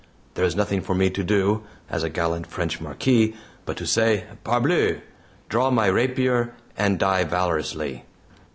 There is nothing for me to do, as a gallant French Marquis, but to say, "PARBLEU!" draw my rapier, and die valorously!